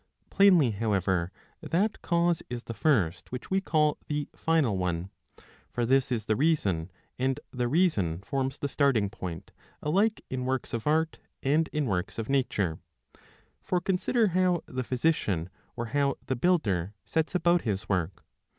Plainly, however, that cause is the first which we call the final one. For this is the Reason, and the Reason forms the starting point, alike in works of art and in works of nature. For consider how the physician or how the builder sets about his work.